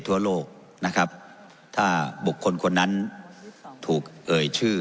ทั่วโลกนะครับถ้าบุคคลคนนั้นถูกเอ่ยชื่อ